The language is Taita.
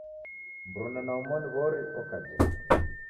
Mruna na omoni w'ori oka jela.